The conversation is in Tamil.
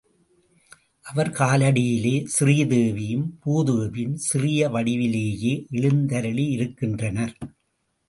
அவர் காலடியிலே ஸ்ரீதேவியும் பூதேவியும் சிறிய வடிவிலேயே எழுந்தருளியிருக்கின்றனர்.